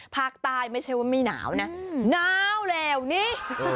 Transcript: ภาคใต้ไม่ใช่ว่าไม่หนาวนะหนาวแล้วนี่